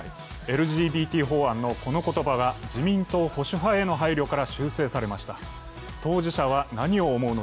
ＬＧＢＴ法案のこの言葉が自民党保守派への配慮から修正されました。